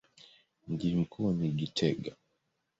Mji mkuu ni Gitega.